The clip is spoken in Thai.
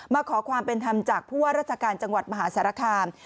ขอความเป็นธรรมจากผู้ว่าราชการจังหวัดมหาสารคาม